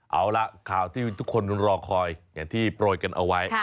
เอาล่ะข่าวที่ทุกคนรอคอยอย่างที่โปรยกันเอาไว้